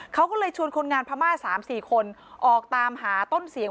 เขาก็เลยชวนคนงานพม่า๓๔คนออกตามหาต้นเสียง